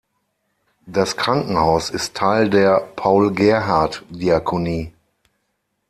Das Krankenhaus ist Teil der Paul Gerhardt Diakonie.